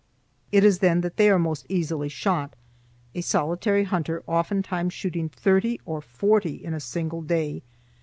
It is then that they are most easily shot, a solitary hunter oftentimes shooting thirty or forty in a single day.